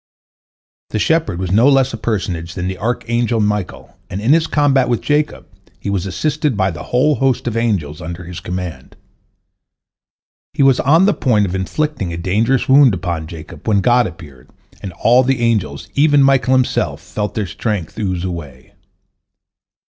" The shepherd was no less a personage than the archangel Michael, and in his combat with Jacob he was assisted by the whole host of angels under his command. He was on the point of inflicting a dangerous wound upon Jacob, when God appeared, and all the angels, even Michael himself, felt their strength ooze away.